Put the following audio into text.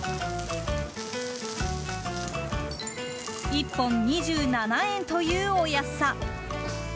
１本２７円というお安さ。